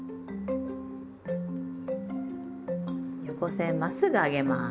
横線まっすぐ上げます。